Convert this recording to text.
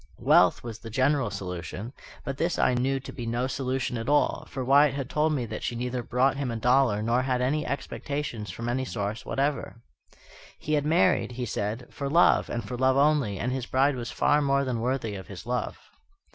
Wealth was the general solution, but this I knew to be no solution at all; for Wyatt had told me that she neither brought him a dollar nor had any expectations from any source whatever. "He had married," he said, "for love, and for love only; and his bride was far more than worthy of his love."